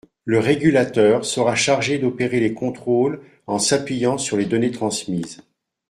Le régulateur sera chargé d’opérer les contrôles en s’appuyant sur les données transmises.